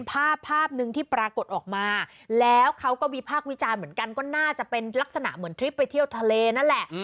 ภาพภาพหนึ่งที่ปรากฏออกมาแล้วเขาก็วิพากษ์วิจารณ์เหมือนกันก็น่าจะเป็นลักษณะเหมือนทริปไปเที่ยวทะเลนั่นแหละ